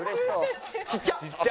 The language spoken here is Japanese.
「ちっちゃ！